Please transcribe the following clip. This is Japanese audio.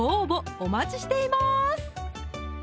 お待ちしています